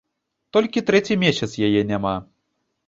Толькі трэці месяц яе няма.